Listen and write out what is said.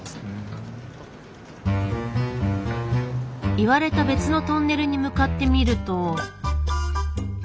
言われた別のトンネルに向かってみると。